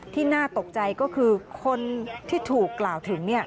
น่าตกใจก็คือคนที่ถูกกล่าวถึง